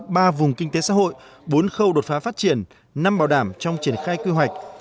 ba vùng kinh tế xã hội bốn khâu đột phá phát triển năm bảo đảm trong triển khai quy hoạch